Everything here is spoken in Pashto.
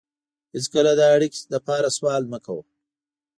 هېڅکله د اړیکې لپاره سوال مه کوه.